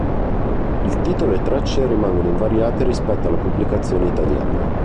Il titolo e le tracce rimangono invariate rispetto alla pubblicazione italiana.